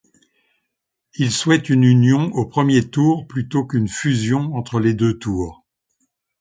Il souhaite une union au premier tour plutôt qu'une fusion entre les deux tours.